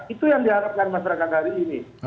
itu yang diharapkan masyarakat hari ini